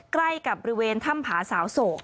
ใกล้กับบริเวณถ้ำผาสาวโศก